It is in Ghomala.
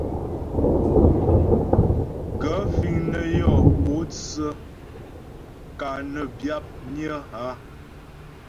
Gaə̂ fíŋ nə́ yɔ́ pótsə́ ka nə́ byə̌pnyə́ a ?